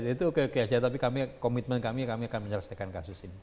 itu oke oke aja tapi komitmen kami kami akan menyelesaikan kasus ini